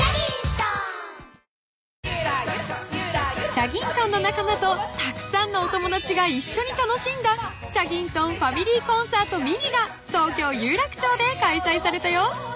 ［チャギントンのなかまとたくさんのおともだちがいっしょに楽しんだチャギントンファミリーコンサートＭＩＮＩが東京有楽町でかいさいされたよ］